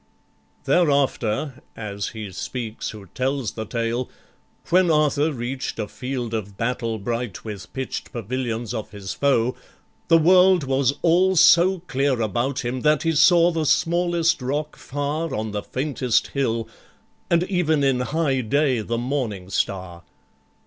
Thereafter as he speaks who tells the tale When Arthur reach'd a field of battle bright With pitch'd pavilions of his foe, the world Was all so clear about him, that he saw The smallest rock far on the faintest hill, And even in high day the morning star.